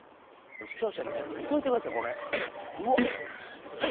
視聴者の皆さん見といてくださいこれ。えっ？